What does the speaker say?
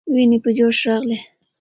ويني په جوش راغلې.